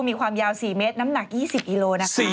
มีความยาว๔เมตรน้ำหนัก๒๐กิโลนะคะ